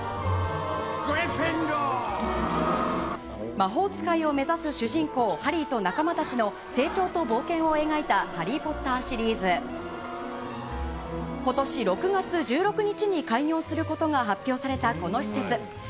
魔法使いを目指す主人公、ハリーと仲間たちの成長と冒険を描いたハリー・ポッターシリーズ。ことし６月１６日に開業することが発表されたこの施設。